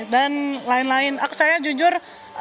dan lain lain saya jujur